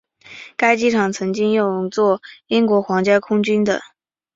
该机场曾经用作英国皇家空军的。